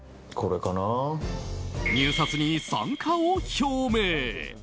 入札に参加を表明。